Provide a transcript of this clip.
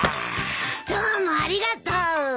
どうもありがとう。